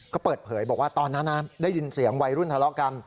ก็เปิดเผยบอกว่าตอนนั้นได้ยินเสียงวัยรุ่นทะเลาะกัน